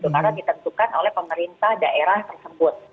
karena ditentukan oleh pemerintah daerah tersebut